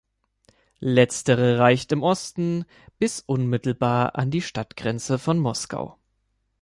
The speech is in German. Letztere reicht im Osten bis unmittelbar an die Stadtgrenze von Moskau.